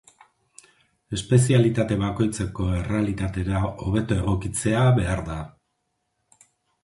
Espezialitate bakoitzeko errealitatera hobeto egokitzea behar da.